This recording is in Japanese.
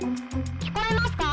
「聞こえますか？